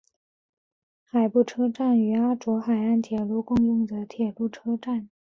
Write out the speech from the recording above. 海部车站与阿佐海岸铁道共用的铁路车站。